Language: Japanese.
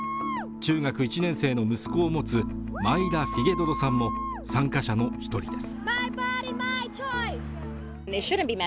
中学１年生の息子を持つマイラ・フィゲドロさんも参加者の一人です